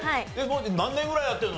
何年ぐらいやってるの？